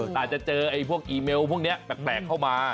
แต่จะเจออีเมลพวกนี้แตกเข้ามา